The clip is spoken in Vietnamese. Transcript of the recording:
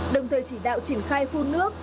đồng thời chỉ đạo triển khai phun nước